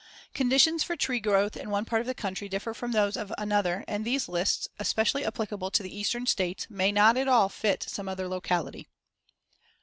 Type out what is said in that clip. Conditions for tree growth in one part of the country differ from those of another and these lists, especially applicable to the Eastern States, may not at all fit some other locality.